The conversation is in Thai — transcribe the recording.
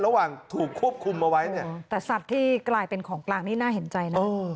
ระหว่างถูกควบคุมมาไว้